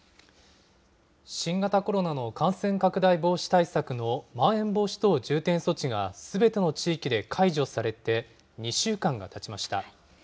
新型コロナの感染拡大防止対策のまん延防止等重点措置がすべての地域で解除されて２週間がたちました。